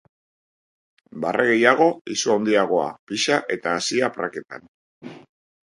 Barre gehiago, izu handiagoa, pixa eta hazia praketan.